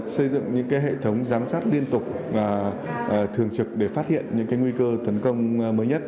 xây dựng những hệ thống giám sát liên tục thường trực để phát hiện những nguy cơ tấn công mới nhất